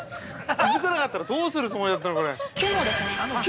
気づかなかったら、どうするつもりだったの、これ。